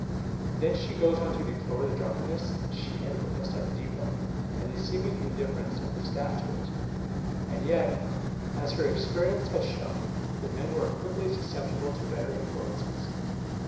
Then she goes on to deplore the drunkenness she had witnessed at the Depot, and the seeming indifference of the staff to it. And yet, as her experience had shown, the men were quickly susceptible to better influences.